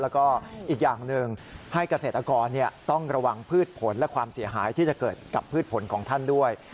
แล้วก็อีกอย่างหนึ่งให้เกษตรกรต้องระวังพืชผลและความเสียหายที่จะเกิดกับพืชผลของท่านด้วย